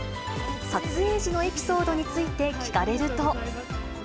撮影時のエピソードについて聞かれると。